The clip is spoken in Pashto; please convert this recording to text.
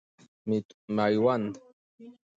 میوند